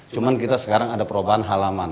cuma kita sekarang ada perubahan halaman